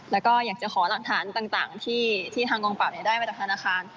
แล้วก็อยากจะขอหลักฐานต่างที่ทางกองปราบได้มาจากธนาคาร